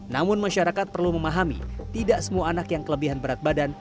namun masyarakat perlu memahami tidak semua anak yang kelebihan berat badan